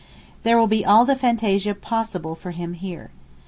There will be all the fantasia possible for him here.